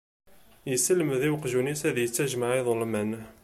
Yesselmed i uqjun-is ad yettajmaɛ iḍumman.